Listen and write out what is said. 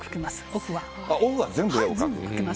オフは全部絵を描く？